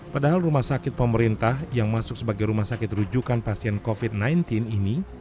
padahal rumah sakit pemerintah yang masuk sebagai rumah sakit rujukan pasien covid sembilan belas ini